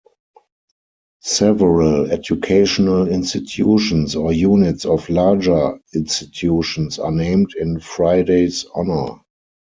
Several educational institutions, or units of larger institutions, are named in Friday's honor.